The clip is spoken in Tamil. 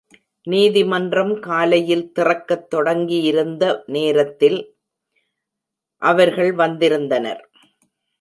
நீதிமன்றம் காலையில் திறக்கத் தொடங்கியிருந்த நேரத்தில் அவர்கள் வந்திருந்தனர்.